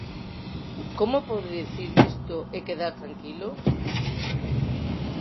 ¿Como pode dicir isto e quedar tranquilo?